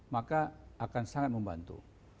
maka akan sangat membantu